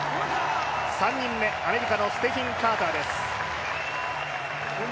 ３人目、アメリカのステフィン・マッカーターです。